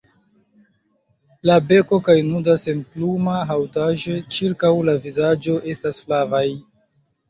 La beko kaj nuda senpluma haŭtaĵo ĉirkaŭ la vizaĝo estas flavaj.